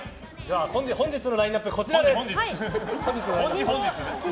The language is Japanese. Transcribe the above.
本日のラインアップこちらです。